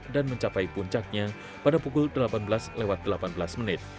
dan mencapai puncaknya pada pukul delapan belas delapan belas menit